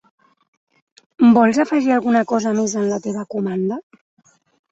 Vols afegir alguna cosa més en la teva comanda?